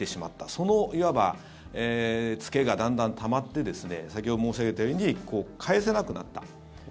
そのいわば付けがだんだんたまって先ほど申し上げたように返せなくなった。